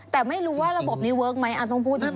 แต่ไม่รู้ว่าระบบนี้เวิร์กไหมอ้าวต้องพูดอย่างนี้